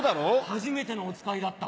『はじめてのおつかい』だったわ。